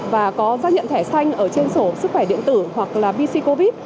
và có xác nhận thẻ xanh ở trên sổ sức khỏe điện tử hoặc là bc covid